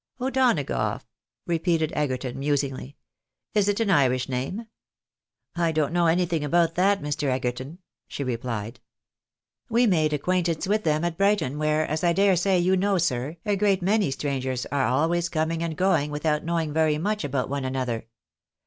"O'Donagough?" repeated Egerton, musingly. "Is it an Irish name? "" I don't know anything about that, Mr. Egerton," she replied. 174 THE BAENABYS IN AMERICA. " We made acquaintance Avitli them first at Brighton, where, as I dare say you know, sir, a great many strangers are always coming and going without knowing very much about one another.